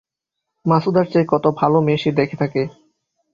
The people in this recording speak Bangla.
মাছুদার চেয়ে কত ভালো ভালো মেয়ে সে দেখে থাকে।